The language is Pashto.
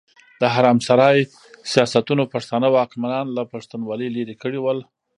د حرم سرای سياستونو پښتانه واکمنان له پښتونولي ليرې کړي ول.